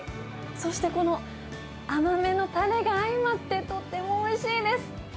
そしてこの甘めのたれが相まって、とてもおいしいです。